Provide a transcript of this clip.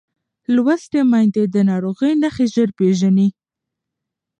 لوستې میندې د ناروغۍ نښې ژر پېژني.